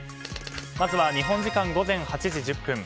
まずは日本時間午前８時１０分。